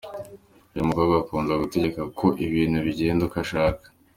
Uyu mukobwa akunda gutegeka ko ibintu bigenda uko ashaka.